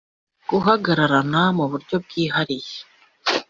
guhagarara mu buryo bwihariye